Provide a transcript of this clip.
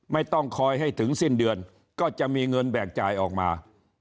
ไม่ต้องคอยให้ถึงสิ้นเดือนก็จะมีเงินแบกจ่ายออกมา